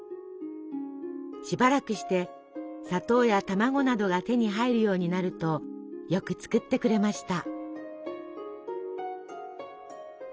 しばらくして砂糖や卵などが手に入るようになるとよく作ってくれました。